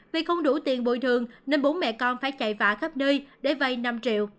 vì không đủ tiền bồi thường nên bốn mẹ con phải chạy vã khắp nơi để vây năm triệu